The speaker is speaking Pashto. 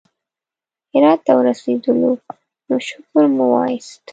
هرات ته ورسېدلو نو شکر مو وایست.